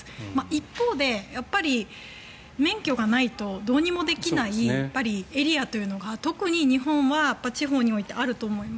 一方で免許がないとどうにもできないエリアというのが特に日本は地方においてあると思います。